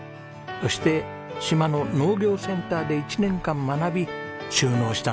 そして島の農業センターで１年間学び就農したんです。